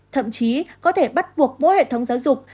thậm chí có thể bắt buộc mỗi hệ thống giáo dục